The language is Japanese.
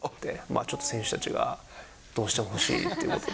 ちょっと選手たちが、どうしても欲しいということで。